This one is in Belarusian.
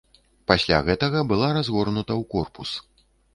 Пасля гэтага была разгорнута ў корпус.